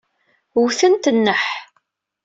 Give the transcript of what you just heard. Wtent nneḥ.